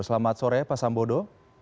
selamat sore pak sambodo